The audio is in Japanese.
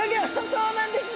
そうなんですね。